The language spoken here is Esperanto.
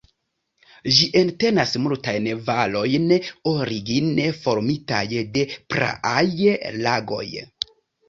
Ĝi entenas multajn valojn origine formitaj de praaj lagoj.